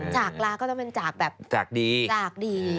จากลาก็ต้องเป็นจากแบบจากดีจากดี